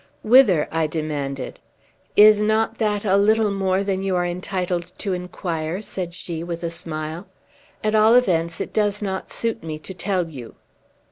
"Whither?" I demanded. "Is not that a little more than you are entitled to inquire?" said she, with a smile. "At all events, it does not suit me to tell you."